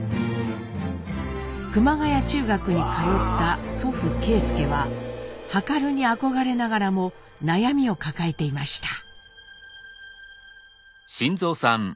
熊谷中学に通った祖父啓介は量に憧れながらも悩みを抱えていました。